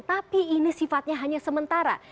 tapi ini sifatnya hanya sementara